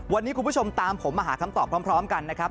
วันนี้คุณผู้ชมตามผมมาหาคำตอบพร้อมกันนะครับ